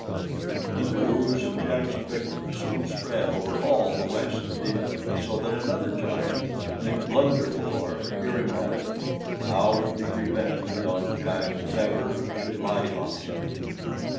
The news of Jack's victory soon spread over all the West of England, so that another giant, named Blunderbore, hearing of it, vowed to be revenged on Jack, if ever he should light on him.